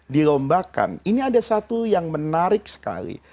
dilombakan ini ada satu yang menarik sekali